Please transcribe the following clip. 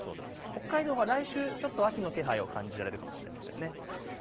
北海道は来週ちょっと秋の気配を感じるかもしれませんね。